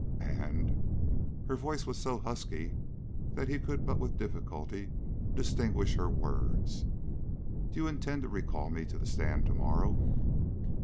"And" her voice was so husky he could but with difficulty distinguish her words "do you intend to recall me to the stand to morrow?"